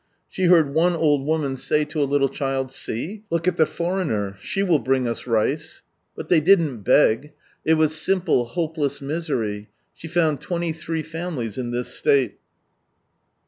She heard one old woman say to a little child, " See ! look at the foreigner, She will bring us rice." But they didn't beg: it was simple, hopeless misery. She found twenty three families in this state.